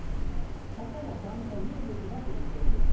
そこもちゃんと見るべきだと言っているんですよ。